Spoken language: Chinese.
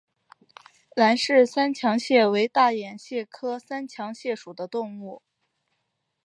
兰氏三强蟹为大眼蟹科三强蟹属的动物。